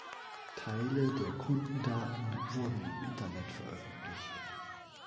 Teile der Kundendaten wurden im Internet veröffentlicht.